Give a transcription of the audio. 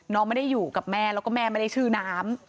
ไม่ได้อยู่กับแม่แล้วก็แม่ไม่ได้ชื่อน้ำ